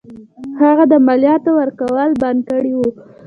هغه د مالیاتو ورکول بند کړي وه.